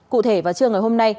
cụ thể vào trường ngày hôm nay